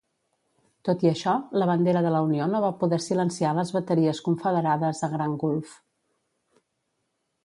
Tot i això, la bandera de la Unió no va poder silenciar las bateries condeferades a Grand Gulf.